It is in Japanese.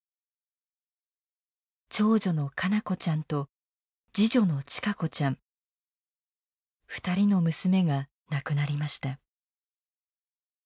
長女の奏子ちゃんと次女の周子ちゃん２人の娘が亡くなりました。